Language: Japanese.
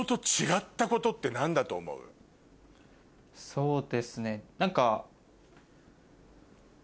そうですね何か。